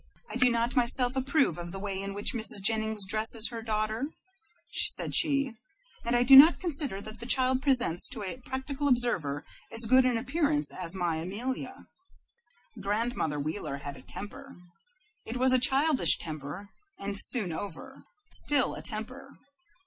"I do not myself approve of the way in which Mrs. Jennings dresses her daughter," said she, "and I do not consider that the child presents to a practical observer as good an appearance as my Amelia." Grandmother Wheeler had a temper. It was a childish temper and soon over still, a temper.